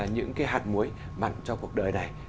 những cái hạt muối mặn cho cuộc đời này